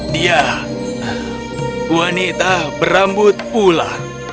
dia wanita berambut ular